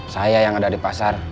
saya yang ada di pasar